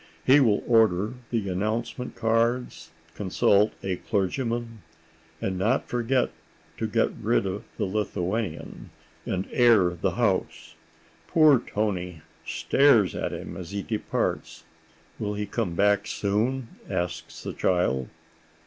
He will order the announcement cards, consult a clergyman—and not forget to get rid of the Lithuanian and air the house.... Poor Toni stares at him as he departs. "Will he come back soon?" asks the child.